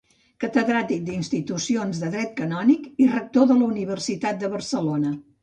Catedràtic d'Institucions de Dret Canònic i rector de la Universitat de Barcelona.